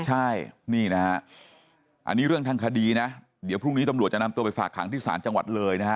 ใช่นี่นะฮะอันนี้เรื่องทางคดีนะเดี๋ยวพรุ่งนี้ตำรวจจะนำตัวไปฝากขังที่ศาลจังหวัดเลยนะฮะ